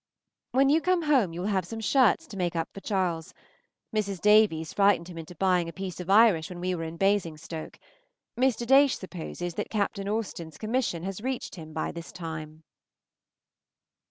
When you come home you will have some shirts to make up for Charles. Mrs. Davies frightened him into buying a piece of Irish when we were in Basingstoke. Mr. Daysh supposes that Captain Austen's commission has reached him by this time.